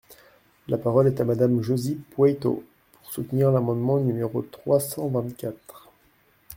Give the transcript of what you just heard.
La parole est à Madame Josy Poueyto, pour soutenir l’amendement numéro trois cent vingt-quatre.